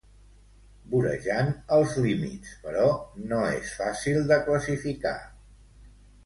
Vorejant els límits, però, no és fàcil de classificar.